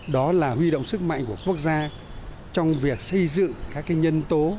đó là huy động sức mạnh của quốc gia trong việc xây dựng các nhân tố